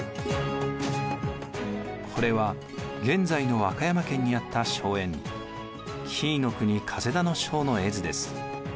これは現在の和歌山県にあった荘園紀伊国田荘の絵図です。